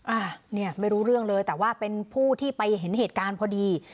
อ่ะเนี่ยไม่รู้เรื่องเลยแต่ว่าเป็นผู้ที่ไปเห็นเหตุการณ์พอดี